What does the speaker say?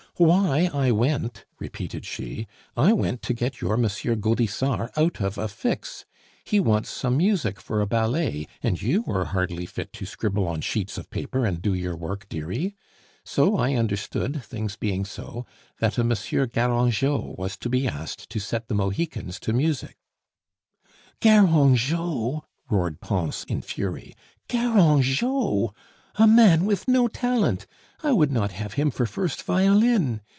"Why I went?" repeated she. "I went to get your M. Gaudissart out of a fix. He wants some music for a ballet, and you are hardly fit to scribble on sheets of paper and do your work, dearie. So I understood, things being so, that a M. Garangeot was to be asked to set the Mohicans to music " "Garangeot!" roared Pons in fury. "Garangeot! a man with no talent; I would not have him for first violin!